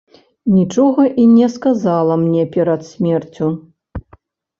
Нічога і не сказала мне перад смерцю.